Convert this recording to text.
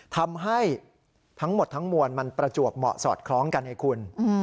ทำให้ทั้งหมดทั้งมวลมันประจวบเหมาะสอดคล้องกันให้คุณ